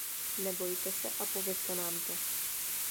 Nebojte se a povězte nám to.